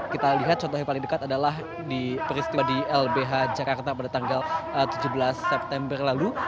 kita lihat contoh yang paling dekat adalah di peristiwa di lbh jakarta pada tanggal tujuh belas september lalu